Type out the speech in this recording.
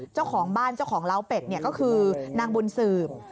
เจ้าของบ้านเจ้าของเล้าเป็ดก็คือนางบุญสืบ